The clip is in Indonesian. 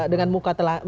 dengan muka telah